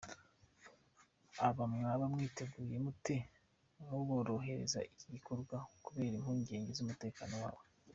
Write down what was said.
Aba mwaba mwiteguye mute kuborohereza iki gikorwa, kubera impungenge z’umutekano wabo ?